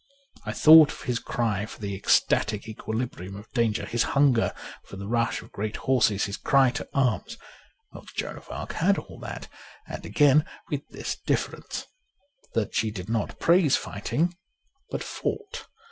I thought of his cry for the ecstatic equilibrium of danger, his hunger for the rush of great horses, his cry to arms. Well, Joan of Arc had all that ; and, again, with this difference, that she did not praise fighting, but fought.